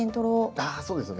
あそうですね。